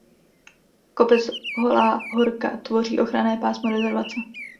Kopec Holá horka tvoří ochranné pásmo rezervace.